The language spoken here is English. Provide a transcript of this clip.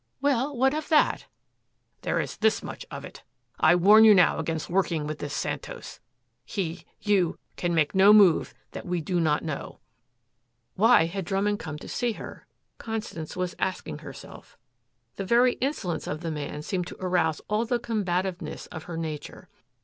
"Well, what of that?" "There is this much of it. I warn you now against working with this Santos. He you can make no move that we do not know." Why had Drummond come to see her? Constance was asking herself. The very insolence of the man seemed to arouse all the combativeness of her nature.